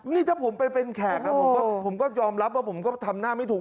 นี่ถ้าผมไปเป็นแขกนะผมก็ยอมรับว่าผมก็ทำหน้าไม่ถูก